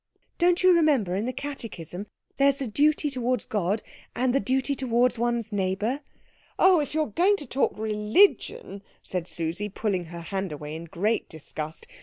Don't you remember in the catechism there's the duty towards God and the duty towards one's neighbour " "Oh, if you're going to talk religion " said Susie, pulling away her hand in great disgust.